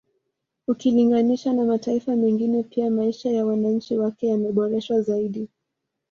Ukilinganisha na mataifa mengine pia maisha ya wananchi wake yameboreshwa zaidi